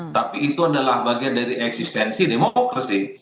tapi itu adalah bagian dari eksistensi demokrasi